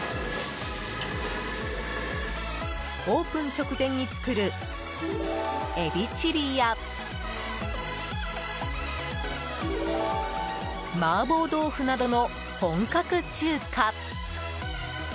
オープン直前に作るエビチリや麻婆豆腐などの本格中華。